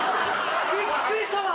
びっくりしたわ。